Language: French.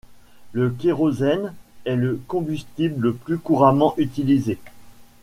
Le kérosène est le combustible le plus couramment utilisé.